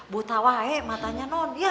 buat tawa eh matanya non ya